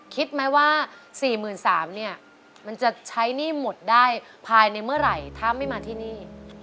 คิดไหมว่า๔๓๐๐เนี่ยมันจะใช้หนี้หมดได้ภายในเมื่อไหร่ถ้าไม่มาที่นี่